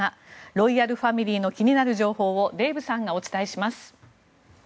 ロイヤルファミリーの気になる情報をデーブさんがお伝えします。